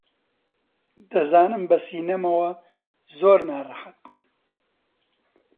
دەزانم بە سینەمەوە زۆر ناڕەحەت بوون